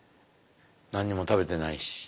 何にも食べてないし。